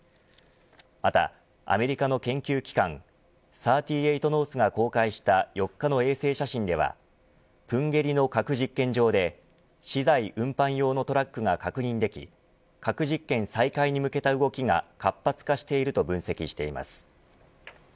また、アメリカの研究機関３８ノースが公開した４日の衛星写真では豊渓里の核実験場で資材運搬用のトラックが確認でき核実験再開に向けた動きが活発化していると分析しています。